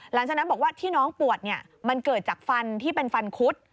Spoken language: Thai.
หลังจากนั้นบอกว่าที่น้องปวดมันเกิดจากฟันที่เป็นฟันคุด